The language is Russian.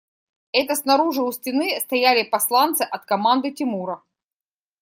Это снаружи у стены стояли посланцы от команды Тимура.